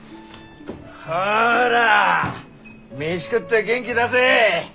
ほら飯食って元気出せ。